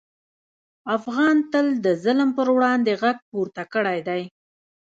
افغان تل د ظلم پر وړاندې غږ پورته کړی دی.